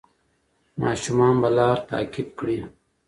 ماشومان به لار تعقیب کړي.